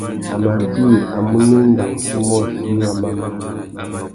A mà djï a munú enga uffê umôchï râ manô.